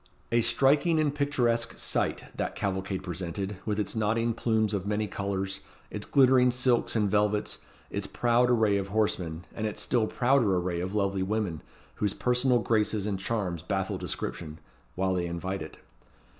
A striking and picturesque sight that cavalcade presented, with its nodding plumes of many colours, its glittering silks and velvets, its proud array of horsemen, and its still prouder array of lovely women, whose personal graces and charms baffle description, while they invite it.